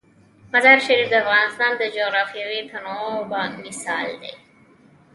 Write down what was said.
مزارشریف د افغانستان د جغرافیوي تنوع مثال دی.